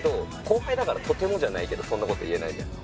後輩だからとてもじゃないけどそんなこと言えないじゃん